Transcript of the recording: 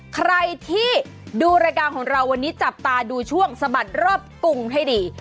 ใครที่ดูรายการของเราวันนี้จับตาดูช่วงสะบัดรอบกรุงให้ดี